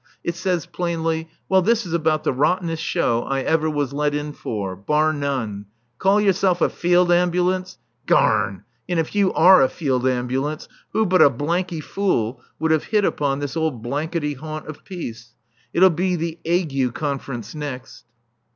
It says plainly: "Well, this is about the rottenest show I ever was let in for. Bar none. Call yourself a field ambulance? Garn! And if you are a field ambulance, who but a blanky fool would have hit upon this old blankety haunt of peace. It'll be the 'Ague Conference next!"